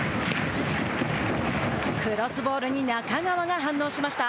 クロスボールに仲川が反応しました。